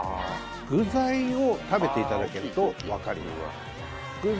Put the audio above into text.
具材を食べていただけるとわかります。